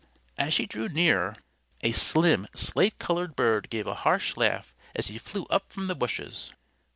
As she drew near, a slim slate colored bird gave a harsh laugh as he flew up from the bushes.